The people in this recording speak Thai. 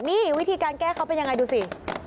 นี่วิธีการแก้เขาเป็นยังไงดูสิ